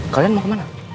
kalian mau kemana